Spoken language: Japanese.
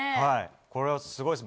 これはすごいです。